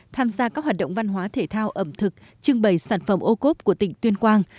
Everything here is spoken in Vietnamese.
tham gia các hoạt động văn hóa thể thao ẩm thực trưng bày sản phẩm ô cốp của tỉnh tuyên quang